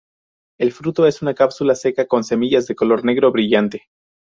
El fruto es una cápsula seca con semillas de color negro brillante.